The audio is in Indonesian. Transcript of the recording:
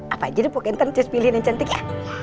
apa aja deh pok nanti aku pilih yang cantik ya